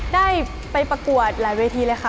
ได้ไปประกวดหลายเวทีเลยค่ะ